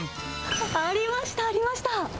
あ、ありました、ありました。